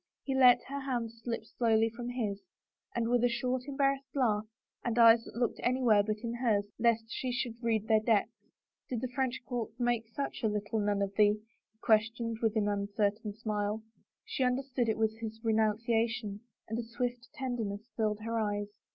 He let her hands slip slowly from his and with a short, embarrassed laugh, and eyes that looked anywhere but in hers lest she should read their depths, " Did the French court make such a little nun of thee?" he questioned with an imcertain smile. She understood it was his renunciation and a swift tenderness filled her eyes.